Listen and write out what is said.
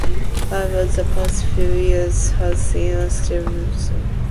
However, the past few years has seen a stabilisation.